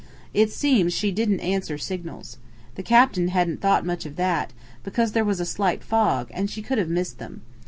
It seems she didn't answer signals. The captain hadn't thought much of that, because there was a slight fog and she could have missed them.